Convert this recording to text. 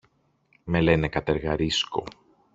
Με λένε Κατεργαρίσκο.